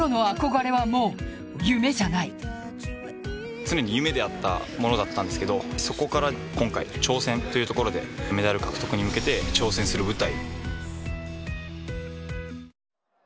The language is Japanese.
常に夢であったものだったんですけどそこから今回挑戦というところでメダル獲得に向けて挑戦する舞台。